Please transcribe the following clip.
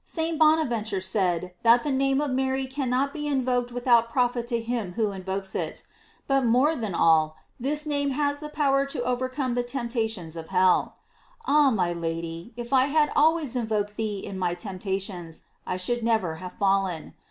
St. Bonaventure said that the name of Mary cannot be invoked without profit to him who invokes it. But more than all, this name has thj power to overcome the temptations of hell. Ah, my Lady, if I had always invoked thee in my temptations, I should never have fallen.